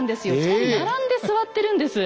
２人並んで座ってるんです。